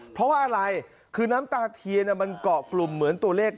เพราะว่าอะไรคือน้ำตาเทียนมันเกาะกลุ่มเหมือนตัวเลข